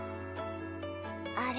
あれ？